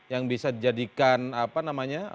yang bisa dijadikan apa namanya